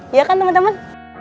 iya kan temen temen